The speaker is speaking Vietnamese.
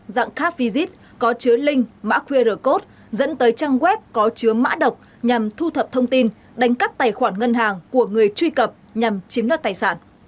dạng car visit có chứa link mã qr code dẫn tới trang web có chứa mã độc nhằm thu thập thông tin đánh cắp tài khoản ngân hàng của người truy cập nhằm chiếm đoạt tài sản